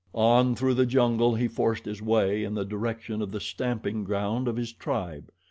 On through the jungle he forced his way in the direction of the stamping ground of his tribe.